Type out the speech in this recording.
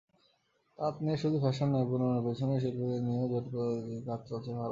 তাঁত নিয়েশুধু ফ্যাশন নয়, বুননের পেছনের শিল্পীদের নিয়েও জোর কাজ চলছে ভারতে।